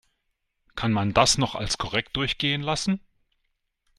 Kann man das noch als korrekt durchgehen lassen?